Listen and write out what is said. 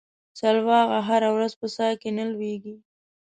سلواغه هره ورځ په څا کې نه ولېږي.